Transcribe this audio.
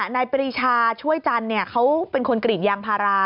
นายปริชาช่วยจันเนี่ยเขาเป็นคนกรีดยางพารา